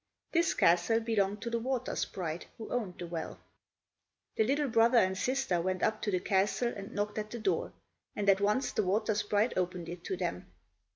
This castle belonged to the water sprite who owned the well. The little brother and sister went up to the castle and knocked at the door, and at once the water sprite opened it to them.